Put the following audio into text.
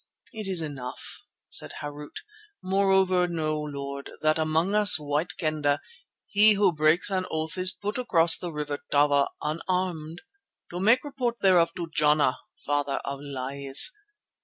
"It is enough," said Harût; "moreover, know, Lord, that among us White Kendah he who breaks an oath is put across the River Tava unarmed to make report thereof to Jana, Father of Lies.